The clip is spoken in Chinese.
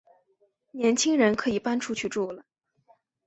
年轻人可以搬出去住了